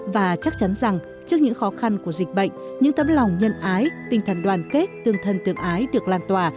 và chắc chắn rằng trước những khó khăn của dịch bệnh những tâm lòng nhân ái tinh thần đoàn kết tương thân tương ái được lan tỏa